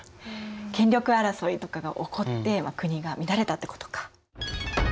権力争いとかが起こって国が乱れたってことか。